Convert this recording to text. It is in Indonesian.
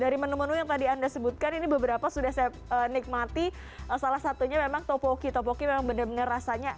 dari menu menu yang ya tadi saudara sebutkan ini beberapa event sudah saya nikmati salah satunya topoki memang benar benar enak dan mirip dengan shaomai ya